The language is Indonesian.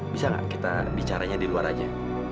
bisa gak kita bicarainnya di luar aja